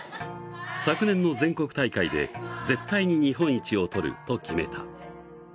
昨年の全国大会で絶対に日本一をとると決めた。